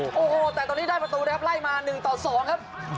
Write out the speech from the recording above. โอ้โหแต่ตอนนี้ได้ประตูนะครับไล่มา๑ต่อ๒ครับ